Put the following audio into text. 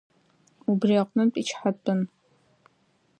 Убри аҟнытә ичҳатәын.